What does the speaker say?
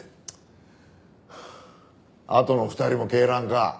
あとの２人も恵蘭か？